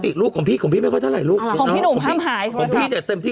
มีทุกคนมีทุกเบอร์โทรศัพท์อยู่ในไหน